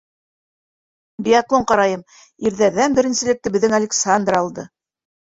Биатлон ҡарайым, ирҙәрҙән беренселекте беҙҙең Александр алды.